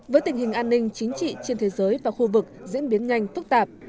với tình hình an ninh chính trị trên thế giới và khu vực diễn biến nhanh phức tạp